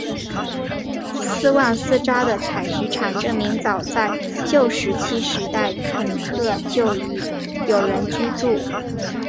斯旺斯扎的采石场证明早在旧石器时代肯特就已有人居住。